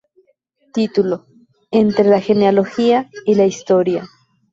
Título: "Entre la genealogía y la historia".